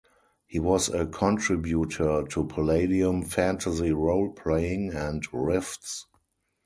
He was a contributor to "Palladium Fantasy Role-Playing" and "Rifts".